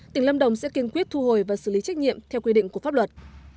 tỉnh lâm đồng sẽ kiên quyết thu hồi và xử lý trách nhiệm theo quy định của pháp luật